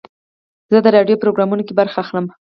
زه د راډیو پروګرام کې برخه اخلم.